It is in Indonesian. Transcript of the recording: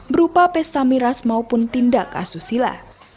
berupa pesta miras maupun tindak asusila